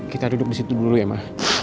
kita duduk di situ dulu ya ma